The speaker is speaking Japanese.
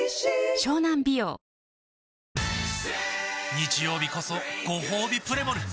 日曜日こそごほうびプレモル！